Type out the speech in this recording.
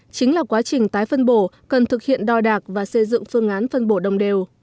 chính là quá trình tái phân bổ cần thực hiện đòi đạc và xây dựng phương án phân bổ đất